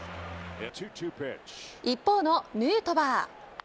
一方のヌートバー。